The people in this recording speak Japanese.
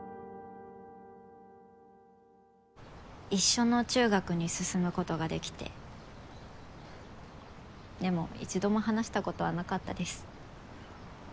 一緒の中学に進むことができてでも一度も話したことはなかったです。